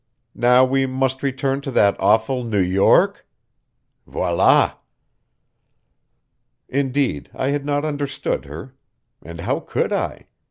Now we must return to that awful New York? Voila!" Indeed I had not understood her. And how could I?